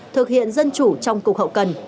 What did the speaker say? thực hiện dân chủ trong cục hậu cần